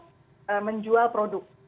untuk menjual produk